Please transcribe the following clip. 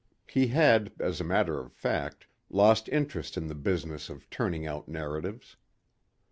He had, as a matter of fact, lost interest in the business of turning out narratives.